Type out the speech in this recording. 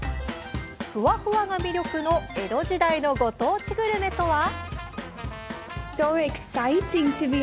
ふわふわが魅力の江戸時代のご当地グルメとは？